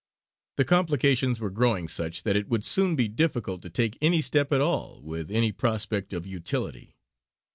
The complications were growing such that it would soon be difficult to take any step at all with any prospect of utility.